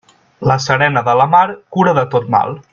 La serena de la mar cura de tot mal.